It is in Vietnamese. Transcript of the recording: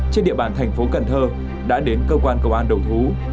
trên địa bàn thành phố cần thơ đã đến cơ quan công an đầu thú